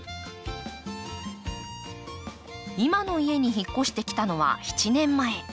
今の家に引っ越してきたのは７年前。